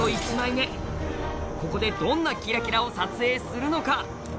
ここでどんな「きらきら」を撮影するのか？